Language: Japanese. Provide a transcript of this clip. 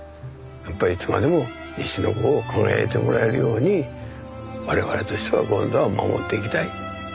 やっぱりいつまでも西の湖を輝いてもらえるように我々としては権座を守っていきたい。